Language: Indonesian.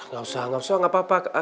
gak usah gak usah gak apa apa